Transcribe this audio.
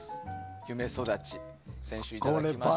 夢そだち、先週いただきました。